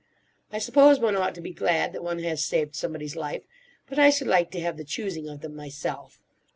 I suppose one ought to be glad that one has saved somebody's life; but I should like to have the choosing of them myself.